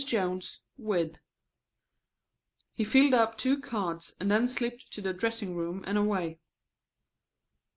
Jones, wid." He filled up two cards and then slipped to the dressing room and away.